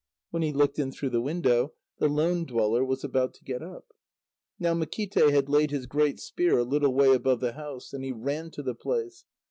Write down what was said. When he looked in through the window, the lone dweller was about to get up. Now Makíte had laid his great spear a little way above the house, and he ran to the place.